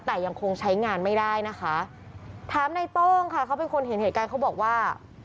แต่ยังคงใช้งานไม่ได้นะคะถามในโต้งค่ะเขาเป็นคนเห็นเหตุการณ์เขาบอกว่า